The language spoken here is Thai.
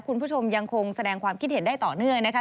คุณผู้ชมยังคงแสดงความคิดเห็นได้ต่อเนื่องนะคะ